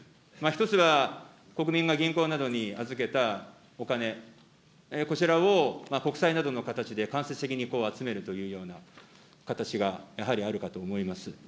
１つは、国民が銀行などに預けたお金、こちらを国債などの形で間接的に集めるというような形がやはりあるかと思います。